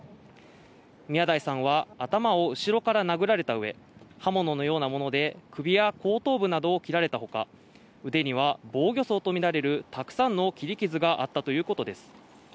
宮台さんは頭を後ろから殴られたうえ刃物のようなもので首や後頭部などを切られたほか腕には防御創とみられるたくさんの切り傷があったということです。